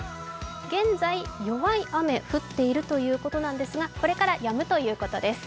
現在、弱い雨が降っているということですが、これから、やむということです。